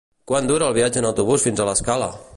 Quant dura el viatge en autobús fins a l'Escala?